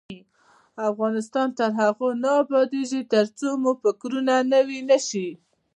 افغانستان تر هغو نه ابادیږي، ترڅو مو فکرونه نوي نشي.